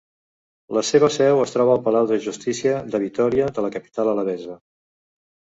La seva seu es troba al Palau de Justícia de Vitòria de la capital alabesa.